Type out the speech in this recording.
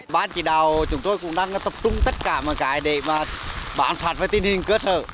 bác chỉ đào chúng tôi cũng đang tập trung tất cả mọi cái để bám sát vệ tinh hình cơ sở